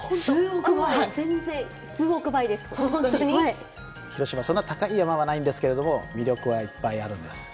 全然広島そんな高い山はないんですけれども魅力はいっぱいあるんです。